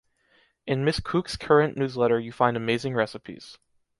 In Mrs. Kuchs current newsletter you find amazing recipes.